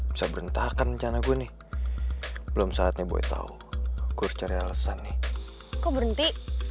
bisa berhentakan jalan gue nih belum saatnya boleh tahu kurcari alesannya kok berhenti